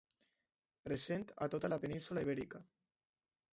Present a tota la península Ibèrica.